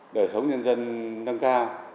đời sống nhân dân nâng cao